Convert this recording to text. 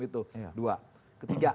itu dua ketiga